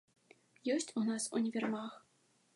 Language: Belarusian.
Ёсць у нас універмаг.